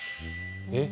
えっ？